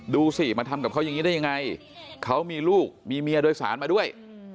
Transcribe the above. ดูสิมาทำกับเขาอย่างนี้ได้ยังไงเขามีลูกมีเมียโดยสารมาด้วย